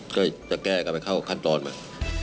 ก็จะแก้กันไปเข้าขั้นตอนมา